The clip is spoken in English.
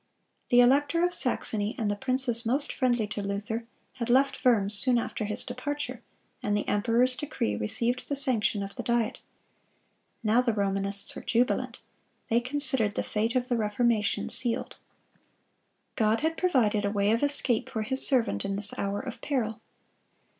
The elector of Saxony, and the princes most friendly to Luther, had left Worms soon after his departure, and the emperor's decree received the sanction of the Diet. Now the Romanists were jubilant. They considered the fate of the Reformation sealed. God had provided a way of escape for His servant in this hour of peril.